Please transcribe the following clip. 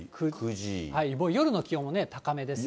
もう夜の気温も高めですね。